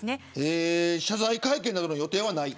謝罪会見などの予定はない。